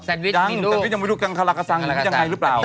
แซนวิชมีลูกยังแซนวิชยังไม่รู้กันคลาลากาซังยังไงหรือเปล่า